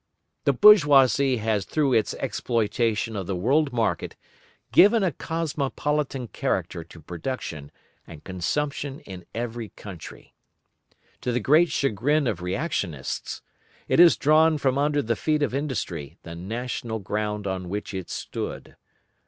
The bourgeoisie has through its exploitation of the world market given a cosmopolitan character to production and consumption in every country. To the great chagrin of Reactionists, it has drawn from under the feet of industry the national ground on which it stood.